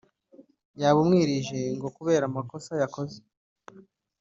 yabumwirije ngo kubera amakosa yakoze